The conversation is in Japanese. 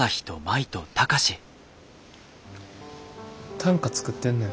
短歌作ってんねん。